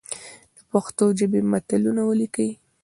د پښتو ژبي متلونه ولیکئ!